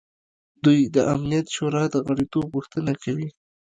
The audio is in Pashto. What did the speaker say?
دوی د امنیت شورا د غړیتوب غوښتنه کوي.